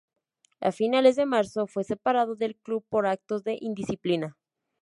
A finales de marzo fue separado del club por actos de indisciplina.